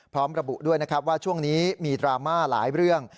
พร้อมระบุด้วยนะครับว่าช่วงนี้มีดราม่าหลายเรื่อง